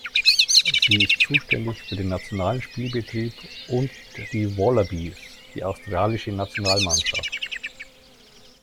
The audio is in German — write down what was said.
Sie ist zuständig für den nationalen Spielbetrieb und die „Wallabies“, die australische Nationalmannschaft.